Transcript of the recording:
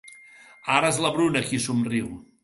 Ara és la Bruna, qui somriu.